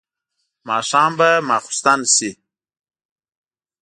ماښام به ماخستن شي.